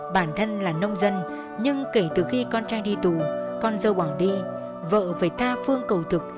bản thân là nông dân nhưng kể từ khi con trai đi tù con dâu bỏ đi vợ phải tha phương cầu thực